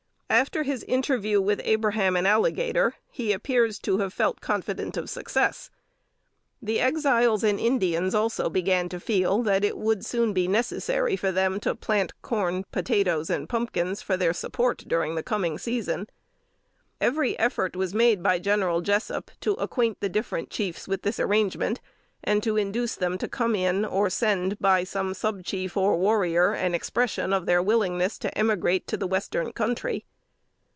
After his interview with Abraham and Alligator, he appears to have felt confident of success. The Exiles and Indians also began to feel that it would soon be necessary for them to plant corn, potatoes and pumpkins, for their support during the coming season. Every effort was made by General Jessup to acquaint the different chiefs with this arrangement, and to induce them to come in, or send by some sub chief or warrior an expression of their willingness to emigrate to the western country.